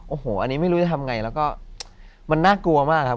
โอ้โหอันนี้ไม่รู้จะทำไงแล้วก็มันน่ากลัวมากครับ